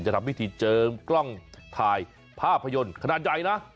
ทำพิธีเจิมกล้องถ่ายภาพยนตร์ขนาดใหญ่นะ